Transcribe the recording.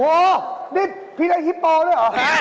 โอ้โฮนี่พี่ได้ฮิปโปรด้วยหรือ